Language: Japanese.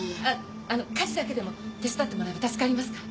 あの家事だけでも手伝ってもらえば助かりますから。